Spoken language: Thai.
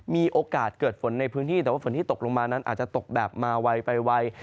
มีโอกาสเกิดฝนในพื้นที่แต่ว่าฝนที่ตกลงมานั้นอาจจะตกแบบมาไวไปไว